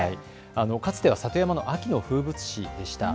かつては里山の秋の風物詩でした。